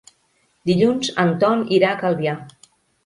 Dilluns en Ton irà a Calvià.